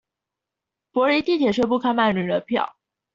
柏林地鐵宣布開賣女人票